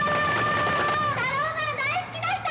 タローマン大好きな人！